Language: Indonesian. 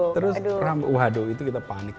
terus waduh itu kita panik